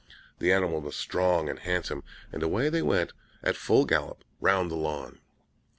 The animal was strong and handsome, and away they went at full gallop round the lawn.